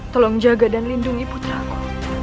tolong jaga dan lindungi putraku